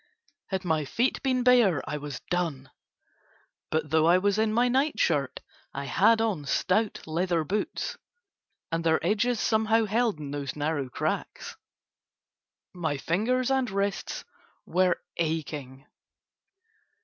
Had my feet been bare I was done, but though I was in my night shirt I had on stout leather boots, and their edges somehow held in those narrow cracks. My fingers and wrists were aching.